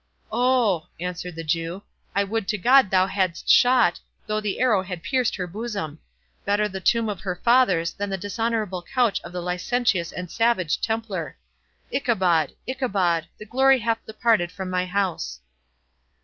"Oh!" answered the Jew, "I would to God thou hadst shot, though the arrow had pierced her bosom!—Better the tomb of her fathers than the dishonourable couch of the licentious and savage Templar. Ichabod! Ichabod! the glory hath departed from my house!"